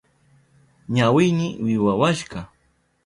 Ñañayni wiwawashka.